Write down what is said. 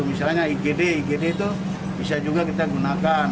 misalnya igd igd itu bisa juga kita gunakan